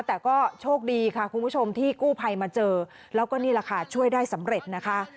แต่ก็โชคดีค่ะคุณผู้ชมที่กู้ภัยมาเจอแล้วก็นี่แหละค่ะช่วยได้สำเร็จนะคะ